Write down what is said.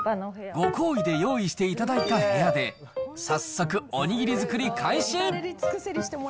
ご厚意で用意していただいた部屋で、早速、おにぎり作り開始。